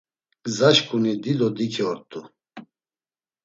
Gzaşǩuni dido diki ort̆u.